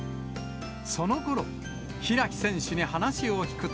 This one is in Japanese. そのころ、開選手に話を聞くと。